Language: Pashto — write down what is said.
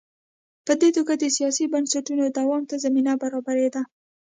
په دې توګه د سیاسي بنسټونو دوام ته زمینه برابرېده.